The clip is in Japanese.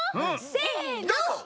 せの！